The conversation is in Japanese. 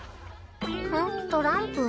「うん？トランプ？」